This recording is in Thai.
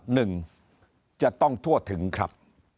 หนึ่งจะต้องทั่วถึงครับ